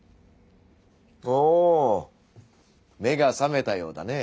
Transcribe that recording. お目が覚めたようだね。